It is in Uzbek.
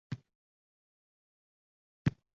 g‘oyalarim muhim, pozitsiyam qatiy deyaveradi.